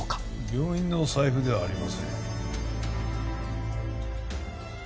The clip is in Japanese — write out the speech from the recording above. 病院の財布ではありません。